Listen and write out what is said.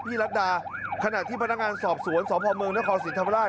พิรรดาขณะที่พนักงานสอบสวนสพมนครศรีธรรมดา